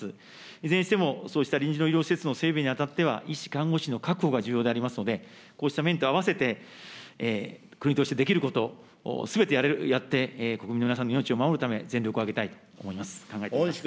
いずれにしても、そうした臨時の医療施設の整備にあたっては、医師、看護師の確保が重要でありますので、こうした面と併せて、国としてできること、すべてやって国民の皆さんの命を守るため、全力を挙げたいと考えております。